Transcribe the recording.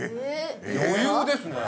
余裕ですね。